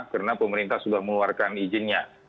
karena pemerintah sudah mengeluarkan izinnya